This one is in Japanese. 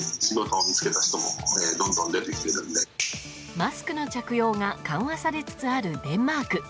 マスクの着用が緩和されつつあるデンマーク。